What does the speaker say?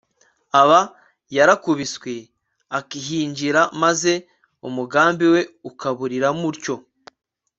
aba yarakubiswe akihinjira maze umugambi we ukaburiramo utyo